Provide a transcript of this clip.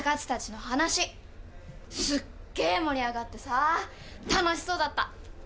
すっげえ盛り上がってさ楽しそうだった。